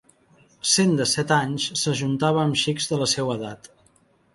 Sent de set anys, s’ajuntava amb xics de la seua edat.